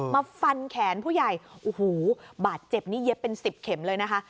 มาฟันแขนผู้ใหญ่โอ้โหบาดเจ็บนี่เย็บเป็นสิบเข็มเลยนะคะ